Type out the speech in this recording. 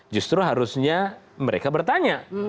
justru harusnya mereka bertanya